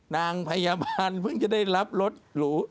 นางพยาบาลเพิ่งจะได้รับรถหรู